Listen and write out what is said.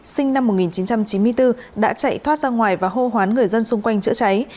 sinh năm một nghìn chín trăm chín mươi bốn đã chạy thoát ra ngoài và hô hoán người dân xung quanh chữa cháy